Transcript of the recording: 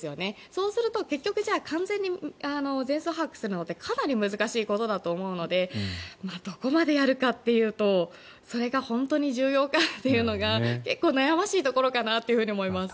そうすると、結局完全に全数把握するのってかなり難しいことだと思うのでどこまでやるかっていうとそれが本当に重要かなっていうのが結構悩ましいところかなと思います。